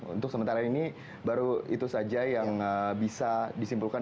untuk sementara ini baru itu saja yang bisa disimpulkan